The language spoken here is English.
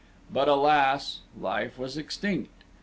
But, alas, life was extinct!